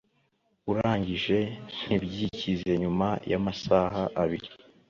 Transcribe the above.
urangije ntibyikize nyuma y'amasaha abiri